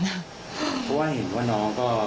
เพราะว่าเห็นว่าน้องก็